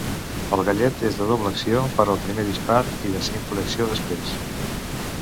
El gallet és de doble acció per al primer dispar i de simple acció després.